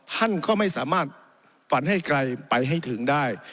ท่านก็ไม่สามารถฝันให้ไกลไปให้ถึงได้